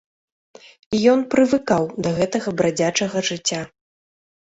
Ён прывыкаў да гэтага брадзячага жыцця.